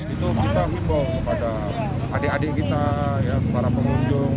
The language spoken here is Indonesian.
itu kita himbau kepada adik adik kita para pengunjung